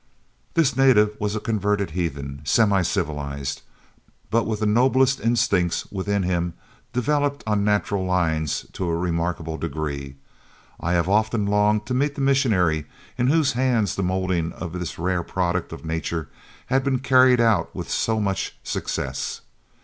This native was a converted heathen, semi civilised, but with the noblest instincts within him developed on natural lines to a remarkable degree. I have often longed to meet the missionary in whose hands the moulding of this rare product of nature had been carried out with so much success.